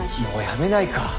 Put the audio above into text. もうやめないか？